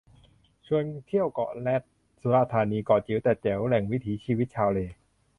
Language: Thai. ชวนเที่ยวเกาะแรต สุราษฎร์ธานี เกาะจิ๋วแต่แจ๋ว แหล่งวิถีชีวิตชาวเล